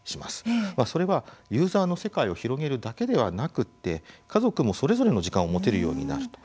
それは、ユーザーの世界を広げるだけではなくて家族もそれぞれの時間を持てるようになると。